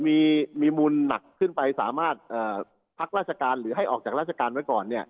มีมูลหนักขึ้นไปสามารถพักราชการหรือให้ออกจากราชการไว้ก่อน